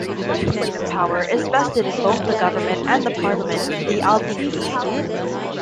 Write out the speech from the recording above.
Legislative power is vested in both the government and parliament, the Althingi.